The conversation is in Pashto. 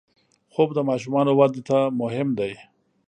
خوب د ماشومانو وده ته مهم دی